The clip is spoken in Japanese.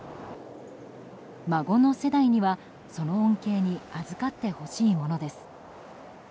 孫の世代には、その恩恵にあずかってほしいものです。